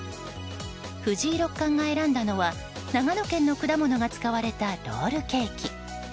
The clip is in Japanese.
藤井六冠が選んだのは長野県の果物が使われたロールケーキ。